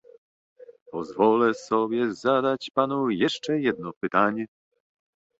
Pozwolę sobie zadać panu jeszcze jedno pytanie